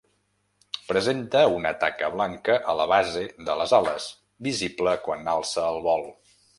Presenta una taca blanca a la base de les ales, visible quan alça el vol.